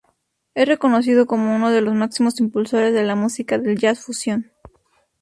Es reconocido como uno de los máximos impulsores de la música del jazz fusión.